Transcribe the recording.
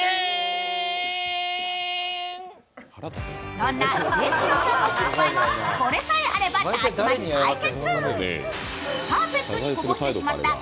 そんな、ですよさんの失敗も、これさえあればたちまち解決。